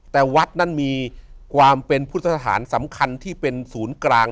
แต่วัดนั้นมีความเป็นพุทธสถานสำคัญที่เป็นศูนย์กลาง